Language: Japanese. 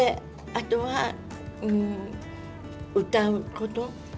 あとは、歌うこと。